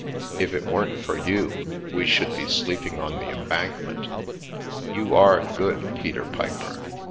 " If it weren't for you we should be sleeping on the Embankment. You are good, Peter Piper.